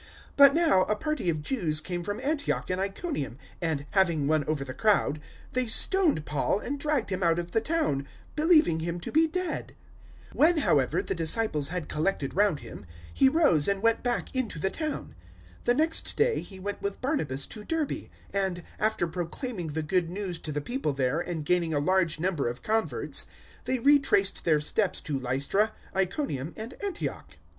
014:019 But now a party of Jews came from Antioch and Iconium, and, having won over the crowd, they stoned Paul and dragged him out of the town, believing him to be dead. 014:020 When, however, the disciples had collected round him, he rose and went back into the town. The next day he went with Barnabas to Derbe; 014:021 and, after proclaiming the Good News to the people there and gaining a large number of converts, they retraced their steps to Lystra, Iconium, and Antioch.